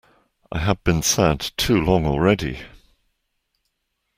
I had been sad too long already.